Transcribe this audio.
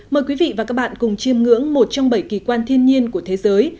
mời quý vị và các bạn cùng chiêm ngưỡng một trong bảy kỳ quan thiên nhiên của thế giới